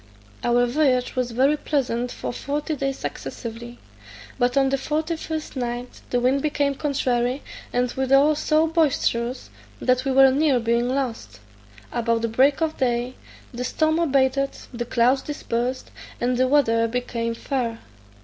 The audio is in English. Our voyage was very pleasant for forty days successively, but on the forty first night the wind became contrary, and withal so boisterous that we were near being lost: about break of day the storm abated, the clouds dispersed, and the weather became fair.